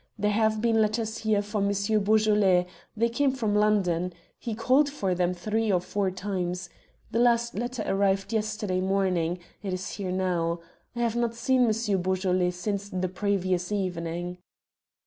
There have been letters here for Monsieur Beaujolais. They came from London. He called for them three or four times. The last letter arrived yesterday morning. It is here now. I have not seen Monsieur Beaujolais since the previous evening."